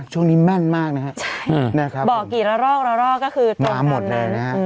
ช่วงนี้แม่นมากนะฮะใช่นะครับบอกกี่ละรอกละรอกก็คือตรงนั้นนะครับมาหมดเลยนะฮะ